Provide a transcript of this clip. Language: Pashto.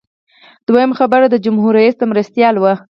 دویم خبر د جمهور رئیس د مرستیال و.